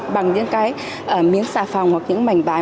bằng những cái miếng xà phòng hoặc những mảnh vái